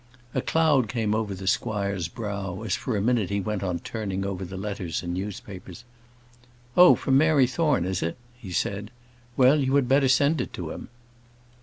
A cloud came over the squire's brow as for a minute he went on turning over the letters and newspapers. "Oh, from Mary Thorne, is it?" he said. "Well, you had better send it to him."